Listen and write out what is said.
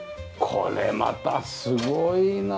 これまたすごいな。